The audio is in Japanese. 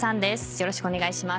よろしくお願いします。